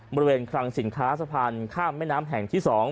บริเวณคลังสินค้าสะพานข้ามแม่น้ำแห่งที่๒